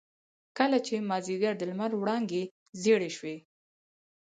کله چې مازيګر د لمر وړانګې زيړې شوې.